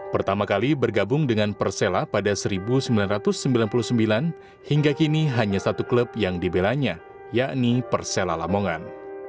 pertama kali bergabung dengan persela pada seribu sembilan ratus sembilan puluh sembilan hingga kini hanya satu klub yang dibelanya yakni persela lamongan